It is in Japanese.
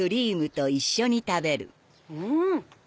うん！